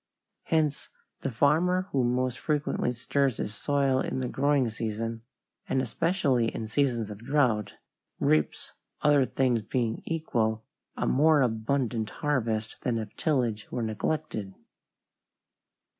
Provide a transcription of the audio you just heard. Hence the farmer who most frequently stirs his soil in the growing season, and especially in seasons of drought, reaps, other things being equal, a more abundant harvest than if tillage were neglected.